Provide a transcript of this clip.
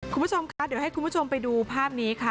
คุณผู้ชมคะเดี๋ยวให้คุณผู้ชมไปดูภาพนี้ค่ะ